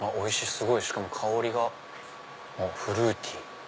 すごい香りがフルーティー。